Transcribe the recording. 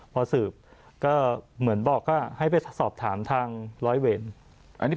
พอสืบเหมือนบอกก็ให้ไปสอบถามทางร้อยเวร